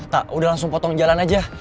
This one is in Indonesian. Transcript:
tak udah langsung potong jalan aja